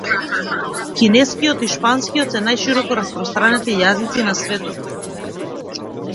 Кинескиот и шпанскиот се најшироко распостранети јазици на светот.